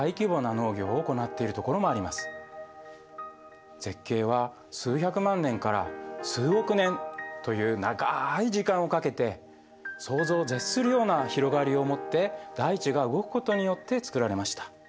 一方で絶景は数百万年から数億年という長い時間をかけて想像を絶するような広がりをもって大地が動くことによって作られました。